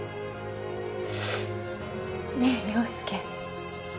ねえ陽佑